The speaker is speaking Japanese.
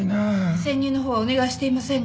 潜入の方はお願いしていませんが？